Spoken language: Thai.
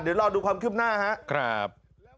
เดี๋ยวรอดูความคิดขึ้นหน้าครับ